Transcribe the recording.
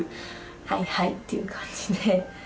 「はいはい」っていう感じで。